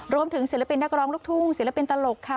ศิลปินนักร้องลูกทุ่งศิลปินตลกค่ะ